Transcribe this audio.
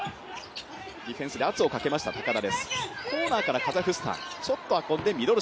ディフェンスで圧をかけました高田です。